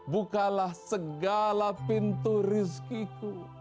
bukalah segala pintu rizkiku